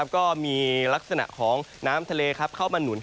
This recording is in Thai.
ก็มีลักษณะของน้ำทะเลเข้ามาหนุน